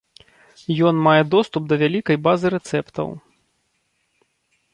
Ён мае доступ да вялікай базы рэцэптаў.